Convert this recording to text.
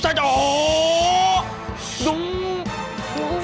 saya mau kabur